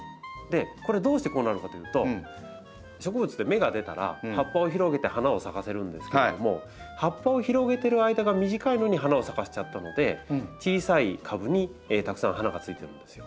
これどうしてこうなるかというと植物って芽が出たら葉っぱを広げて花を咲かせるんですけれども葉っぱを広げてる間が短いのに花を咲かせちゃったので小さい株にたくさん花がついてるんですよ。